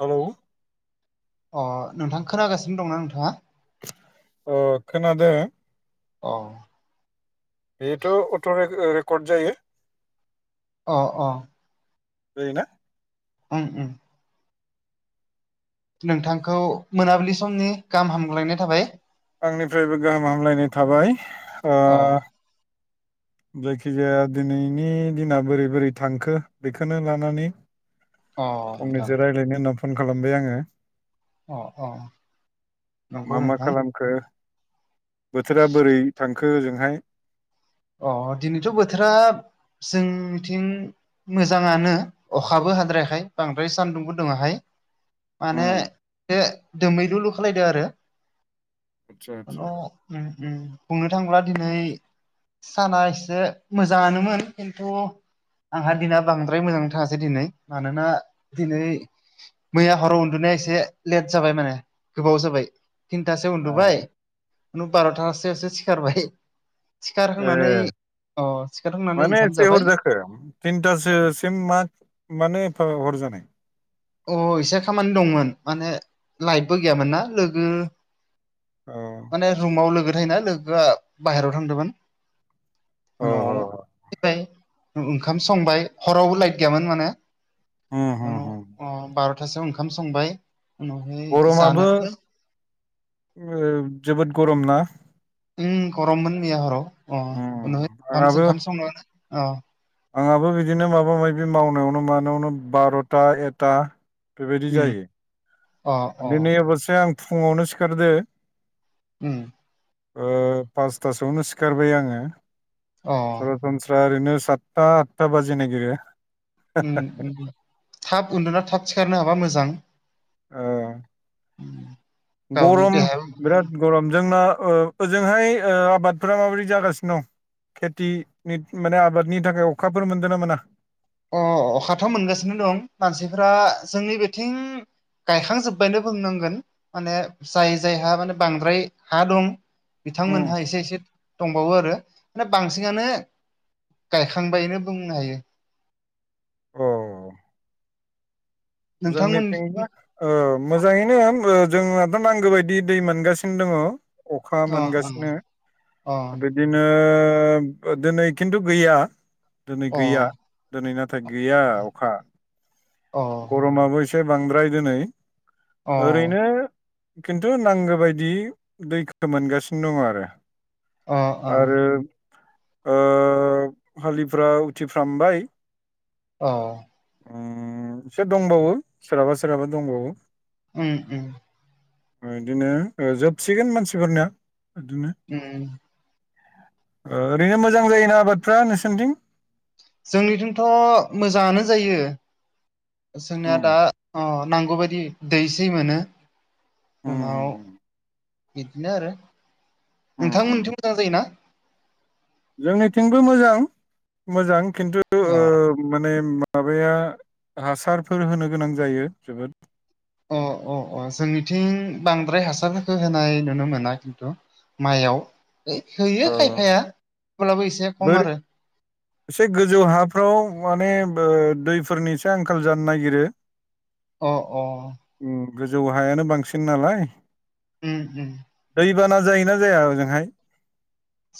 Hello अ नोंथां खोनागासिनो दंना नोंथाङा? अ खोनादो। अ बेथ' अट' रेकर्ड जायो। अ अ जायो ना। उम उम नोंथांखौ मोनाबिलि समनि गाहाम हामलायनाय थाबाय। आंनिफ्रायबो गाहाम हामलायनाय थाबाय। ओ अ जायखिजाया दिनैनि दिना बोरै बोरै थांखो बेखौनो लानानै। अ नोंथां फंनैसो रायज्लायनो होनना फन खालामबाय आङो। अ अ नंगौ नोंथां। खो बोथोरा बोरै थांखो ओजोंहाय? अ दिनैथ' बोथोरा जोंनिथिं मोजाङानो अखाबो हाद्रायाखायै बांद्राय सान्दुंबो दुङाखै। उम माने बे दोमैलुलु खालायदो आरो। आतसा आतसा बुंनो थाङोब्ला दिनै साना एसे मोजाङानोमोन खिन्थु आंहा दिना बांद्राय मोजां थाङासै दिनै मानोना दिनै मैया हराव उन्दुनाया एसे लेट जाबाय माने गोबाव जाबाय। थिनथासोयाव उन्दुबाय ओ बार'थासोआवसो सिखारबाय। सिखारखांनानै ए अ सिखारखांनानै ओंखाम जाबाय। थिनथासोसिम मा मानो एफा हर जानाय? अ एसे खामानि दंमोन माने लाइटबो गैयामोन ना लोगो। अ माने रुमाव लोगो थायोना लोगोआ बाहेराव थांदोंमोन। अ उनाव अ फैबाय ओंखाम संबाय हरावबो लाइट गैयामोन माने। उम उम उनाव उम ओ बार'थासोआव ओंखाम संबाय उनावहाय गरमाबो जानायावनो जोबोद ओ गरम ना उम गरममोन मैया हराव अ उम उनावहाय ओंखाम आंहाबो ओंखाम संनानै अ आंहाबो बिदिनो माबा माबि मावनायावनो मानायावनो बार'था एथा बेबायदि उम जायो अ अ दिनै अबसे आं फुङावनो सिखारदो उम पासथासोआवनो सिखारबाय आङो अ सनस्रा ओरैनो सातथा आदथा बाजिनो नागिरो उम थाब उन्दुना थाब सिखारनो हाब्ला मोजां ओ उम गावनि गरम देहायाबो बिराद गरमजोंना ओजोंहाय ओ आबादफोरा माबोरै जागासिनो दं खेथिनि माने आबादनि थाखाय अखाफोर मोनदों ना मोना अ अखाथ' मोनगासिनो दं मानसिफ्रा जोंनि बिथिं गायखांजोब्बायनो बुंनांगोन माने जाय जायहा माने बांद्राय हा दं उम बिथांमोनहा एसे एसे दंबावो आरो माने बांसिनानो गायखांबायनो बुंनो हायो अ नोंथांमोन जोंनिथिंबो ओ मोजाङैनो जोंनाथ' नांगौ बायदि दै मोनगासिनो दङ अखा अ अ मोनगासिनो बिदिनो दिनै खिन्थु गैया दिनै अ गैया दिनै नाथाय गैया अखा अ गरमाबो एसे बांद्राय दोनै ओरैनो खिन्थु नांगौ बायदि दैखौ मोनगासिनो दङ आरो अ अ आरो ओ हलिफ्रा उथिफ्रामबाय अ उम एसे दंबावो सोरहाबा सोरहाबा दंबावो उम उम इदिनो ओ जोबसिगोन मानसिफोरनिया ओदिनो उम ओरैनो मोजां जायोना आबादफ्रा नोंसोरनिथिं जोंनिथिथ' मोजाङानो जायो जोंना उम दा अ नांगौ बायदि दै एसे मोनो उम उनाव उम बिदिनो आरो उम उम नोंथांमोनिथिं मोजां जायोना जोंनिथिंबो मोजां मोजां खिन्थु ओ अ माने माबाया हासारफोर होनो गोनां जायो जोबोद अ अ अ जोंनिथिं बांद्राय हासारफोरखौ होनाय नुनो मोना खिन्थु माइआव हैयो ओ खायफाया होनब्लाबो एसे बोर खम आरो एसे गोजौ हाफ्राव माने दैफोरनि एसे आंखाल जानो नागिरो अ अ उम गोजौ हायानो बांसिन नालाय उम उम दैबाना जायोना जाया ओजोंहाय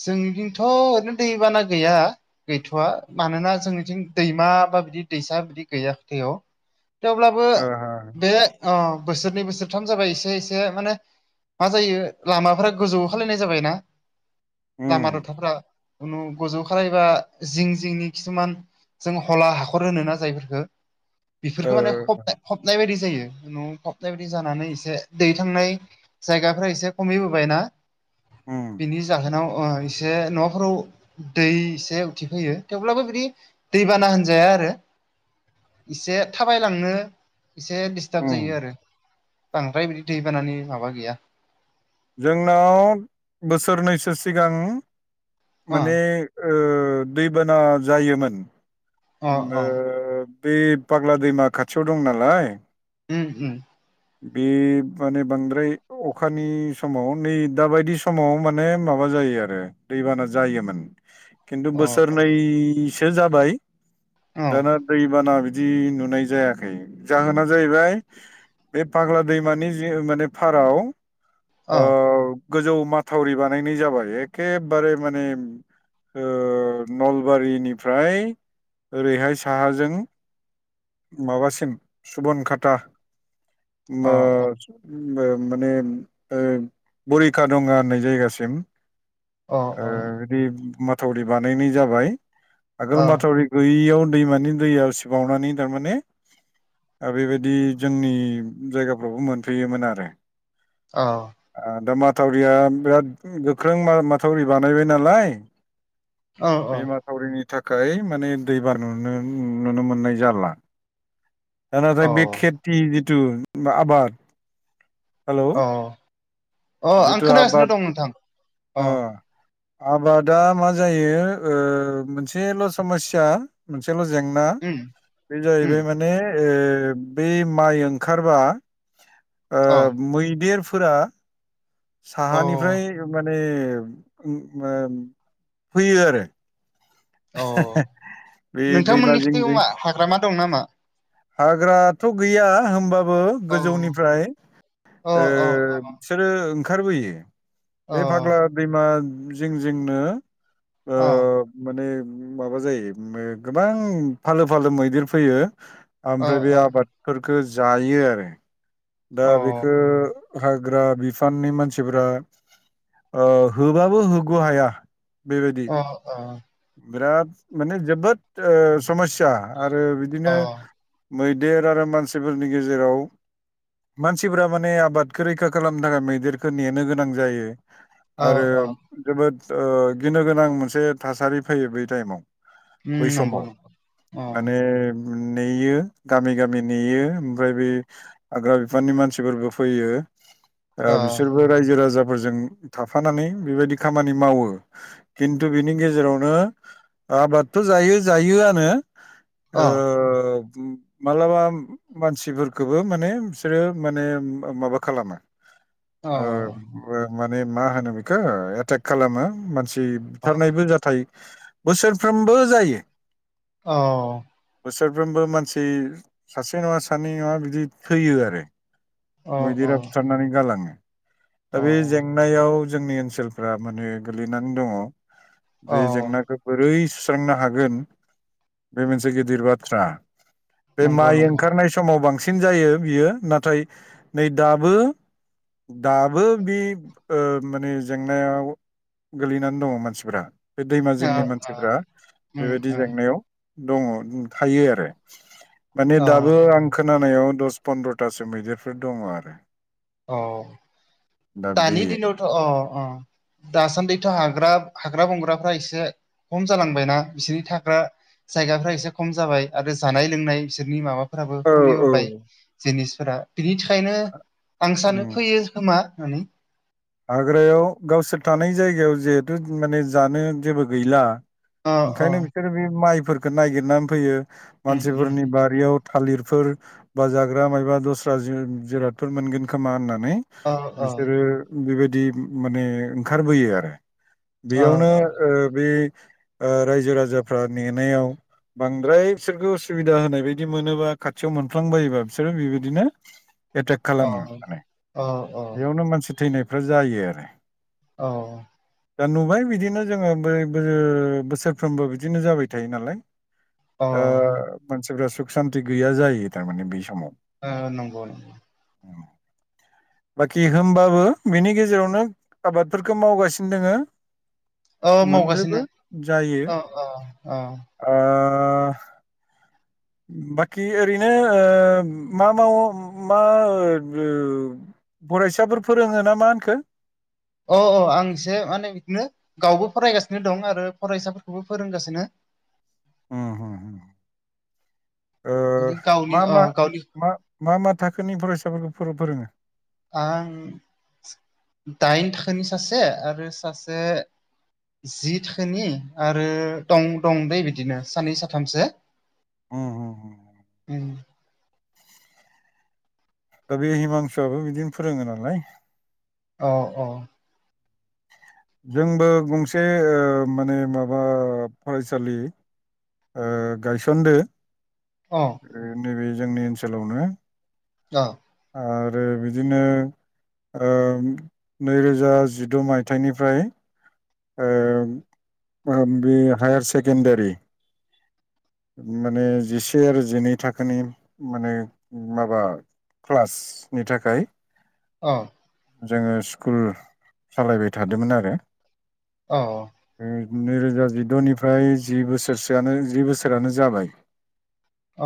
जोंजोंथ' ओरैनो दैबाना गैया गैथ'वा मानोना जोंनिथिं दैमा बा बिदि दैसा बिदि गैया खाथियाव थेवब्लाबो ओ हो बे बोसोरनै बोसोर मोनथाम जाबाय एसे एसे माने मा जायो लामाफोरा गोजौ खानाय जाबायनाा लामा उम दथाफ्रा खुनु गजौ खाायबा जिं जिंनि खिसुमान जों हला हाखर होनोना जायफोरफोरखौ ओ बेफोरखौ माने खब फबनाय बायदि जायो न'आव फबनाय बायदि जानानै एसे दैथांनाय जायगाफ्रा एसे खमैबोबायना उम बिनि जाहोनाव एसे न'फोराव दै एसे उथिफैयो थेवब्लाबो बिदि दैबाना होनजाया आरो एसे थाबायलांनो इसे दिडिस्टार्ब उम जायो आरो बांद्राय बिदि दैबानानि माबा गैया जोंनाव बोसोरनैसो सिगां अ माने दैबाना जायोमोन। अ अ बे फाग्ला दैमा खाथियाव दं नालाय उम उम [inaudible] बे माने बांद्राय अखानि समाव नै दाबायदि समाव माने माबा जायो आरो दैबाना जायोमोन खिन्थु अ बोसोरनैसो जाबाय। अ दाना दैबाना बिदि नुनाय जायाखै जाहोना जाहैबाय बे फाग्ला दैमानि जि माने फाराव अ ओ गोजौ माथावरि बानायनाय जाबाय एखेबारे माने नलबारिनिफ्राय ओरैहाय साहाजों माबासिम सुबन खाथा अ माने बरिखा दंङो होननाय जायगासिम अ ओ बिदि माथावरि बानायनाय जाबाय अ आगोल माथावरि गैयियाव दैमानि दैया उसिबावनानै थारमाने दा बेबायदि जोंनि जायगाफ्रावबो मोनफैयोमोन आरो औ आ दा माथावरिया बिराद गोख्रों मा-माथावरि बानायबाय नालाय बे अ माथावरिनि थाखाय माने ऐबार नुनो नुनो मोननाय जाला आ नाथाय बे खेब थि जिथु आबाद हेलौ अ अ आं जिथु खोनागासिनो आबाद दं नोंथां अ आबादा मा जायो ओ मोनसेल' समस्या मोनसेल' जेंना उम बे उम जाहैबाय माने ओ बे माइ ओंखारबा ओ अ मैदेरफोरा अ साहानिफ्राय माने उ मा फैयो आरो अ बे दैमा नोंथांमोननि खाथियाव मा हाग्रामा दं नामा? हाग्रााथ' गैया होमबाबो औ गोजौनिफ्राय अ ओ अ बिसोरो ओंखारबोयो अ बे फाग्ला दैमा जिं जिंनो ओ अ माने माबा जायो ओ गोबां फालो फालो मैदेर फैयो अ ओमफ्राय बे आबादफोरखो जायो आरो दा बेखो हाग्रा बिफाननि मानसिफोरा ओ होबाबो हग' हाया बेबायदि अ बिराद माने जोबोद ओ समस्या आरो बि बिदिनो अ मैदेर आरो मानसिफोरनि गेजेराव मानसिफोरा माने आबादखो रैखा खालामनो थाखाय मैदेरखो नेनो गोनां जायो। अ आरो अ जोबोद ओ गिनो गोनां मोनसे थासारि फैयो बे टाइमाव उम बै नंगौ समाव नंगौ अ माने नेयो गामि गामि नेयो ओमफ्राय बै हाग्रा बिफाननि मानसिफोरबो फैयो ओ अ बिसोरबो रायजो राजाफोरजों थाफानानै बेबायदि खामानि मावो खिन्थु बिनि गेजेरावनो आबादथ' जायो जायोआनो ओ अ मालाबा मानसिफोरखोबो माने बिसोरो माने माबा खालामो ओ अ ओ माने मा होनो बेखो एटेक खालामो मानसि अ बुथारनायबो जाथाय बोसोरफ्रोमबो जायो औ बोसोरफ्रोमबो मानसि सासे नङा सानै नङा बिदि थैयो आरो अ मैदेरा बुथारनानै गालाङो दा अ बे जेंनायाव जोंनि ओनसोल फोरा माने गोलैनानै दङ' औ बे जेंनाखो बोरै सुस्रांनो हागोन बे मोनसे गिदिर बाथ्रा बे नंगौ माइ नंगौ ओंखारनाय समाव बांसिन जायो बियो नाथाय नै दाबो दाबो बि ओ माने जेंनायाव गोलैनानै दङ' मानसिफ्रा बे दैमा ओ जोंनि मानसिफ्रा उम बेबायदि उम जेंनायाव दङ' थायो आरो माने अ दाबो आं खोनानायाव दस पन्द्र'थासो मैदेरफोर दङ' आरो अ दा बे दानि दिनावथ' अ अ दासान्दिथ' हाग्रा हाग्रा बंग्राफ्रा एसे खम जालांबायना बिसोरनि थाग्रा जायगाफ्रा एसे खम जाबाय आरो जानाय लोंनाय बिसोरनि माबा फोराबो औ औ खमिबोबाय जिनिसफोरा बिनि थाखायनो आं सानो उम फैयो खोमा होननानै हाग्रायाव गावसोर थानाय जायगायाव जिहेथु माने जानो जेबो गैला अ अ ओंखायनो बिसोरो बे माइफोरफोरखौ नायगिरनानै फैयो उम उम मानसिफोरनि बारियाव थालिरफोर बा जाग्रा मायबा दस्रा जिरादफोर मोनगोन खोमा होननानै अ अ बिसोरो बेबायदि माने ओंखारबोयो आरो अ बेयावनो बे रायजो राजाफ्रा नेनायाव बांद्राय बिसोरखौ उसुबिदा होनाय बायदि मोनोबा खाथियाव मोनफ्लांबायोबा बिसोरो बेबायदिनो एटेक खालामो माने अ बेयावनो मानसि थैनायफ्रा जायो आरो औ दा नुबाय बिदिनो जोङो बै बोसोरफ्रोमबो बिदिनो जाबाय थायो नालाय अ मानसिफ्रा सुख सान्ति गैया जायो थार माने बै समाव नंगौ नंगौ बाखि होनबाबो बिनि गेजेरावनो आबादफोरखो मावगासिनो दोङो औ मावगासिनो मोननैबो जायो औ औ ओ बाखि ओरैनो ओ मा मावो मा ओ [unintelligible] फरायसाफोर फोरोङो ना मा होनखो औ औ आं एसे माने बिदिनो गावबो फरायगासिनो दं आरो फरायसाफोरखौबो फोरोंगासिनो ओ ओ बिदि गावनि मा अ मा गावनि मा [unintelligible] मा मा थाखोनि फरायसाफोरखौ फोरोङो आं दाइन थाखोनि सासे आरो सासे जि थाखोनि आरो दं दं दै बिदिनो सानै साथामसो उम उम उम उम दा बे हिमांसुआबो बिदिनो फोरोङो नालाय औ औ जोंबो गंसे माने माबा फरायसालि गायसनदो अ नैबे जोंनि ओनसोलावनो औ आरो बिदिनो नैरोजा जिद' मायथाइनि फ्राय ओ बे हायार सेकेण्डारि माने जिसे आरो जिनै थाखोनि माने माबा क्लासनि थाखाय अ जोङो स्कुल सालायबाय थादोंमोन आरो औ नैरोजा जिद'निफ्राय जि बोसोरसोआनो जि बोसोरानो जाबाय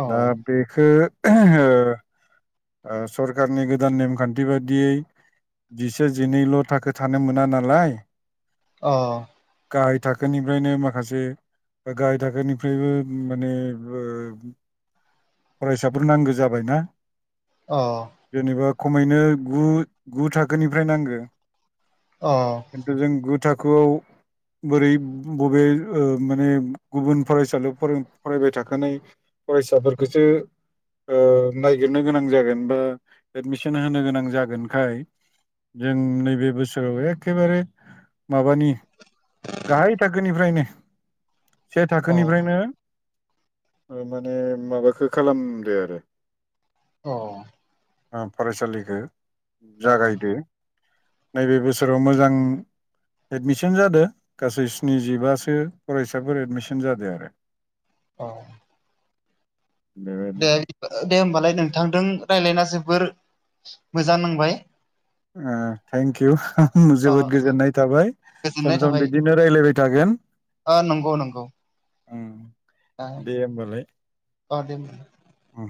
औ दा बेखौ सरखारनि गोदान नेमखान्थि बायदियै जिसे जिनैल' थाखो थानो मोना नालाय अ गाहाय थाखोनिफ्रायनो माखासे गाहाय थाखोनिफ्रायबो माने फरायसाफोर नांगौ जाबाय ना अ जेनेबा खमैनो गु गु थाखोनिफ्राय नांगौ अ खिन्थु जों गु थाखोआव बोरै बबे माने गुबुन फरायसालियाव फरायबाय थाखानाय फरायसाफोरखौसो ओ नायागिरनो गोनां जागोन बा एडमिसन होनो गोनां जागोनखाय जों नैबे बोसोराव एखेबारे माबानि गाहाय थाखोनिफ्रायनो से औ थाखोनिफ्रायनो ओ माने माबाखौ खालामदो आरो अ ओ फरायसालिखौ जागायदो नैबे बोसोराव मोजां एडमिसन जादों गासै स्निजिबासो फरायसाफोर एदमिसन जादों आरो औ दे बेबायदि दे होमबालाय नोंथांजों रायलायना जोबोर मोजां नांबाय ओ थेंकि इउ अ जोबोद गोजोननाय थाबाय गोजोननाय सम सम थाबाय बिदिनो [unintelligible] रायलायबाय थागोन ओ नंगौ नंगौ ओम दे होमबालाय आ दे [unintelligible] उम